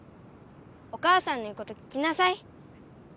お母さんの言うこと聞きなさい。